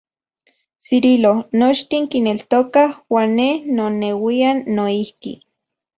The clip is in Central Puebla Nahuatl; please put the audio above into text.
Cirilo, nochtin kineltokaj, uan ne noneuian noijki.